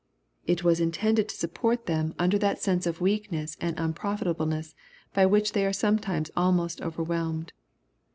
It was intended to support them under that sense of weakness and un profitableness by which they are sometimes almost over whelmed.